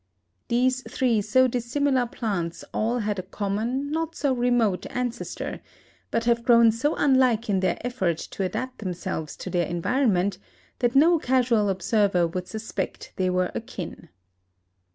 These three so dissimilar plants all had a common, not so remote, ancestor, but have grown so unlike in their effort to adapt themselves to their environment, that no casual observer would suspect they were akin.